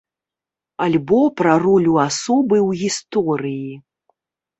Альбо пра ролю асобы ў гісторыі.